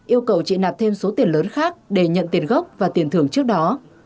yêu cầu chị nạp thêm số tiền lớn khác để nhận tiền gốc và tiền thưởng trước đó